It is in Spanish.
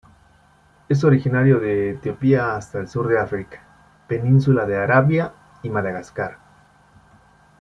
Es originario de Etiopía hasta el sur de África, península de Arabia y Madagascar.